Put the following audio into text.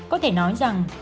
có thể nói rằng